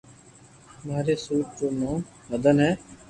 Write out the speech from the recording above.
ماري سوٽ رو نوم مدن ھي